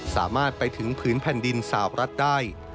สามารถไปถึงผืนแผ่นดินสาวรัฐได้